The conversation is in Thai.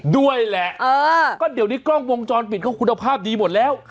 ด้วยแหละก็เดี๋ยวนี้กล้องวงจรปิดเขาคุณภาพดีหมดแล้ว